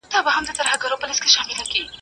كله كله به ښكار پاته تر مابين سو.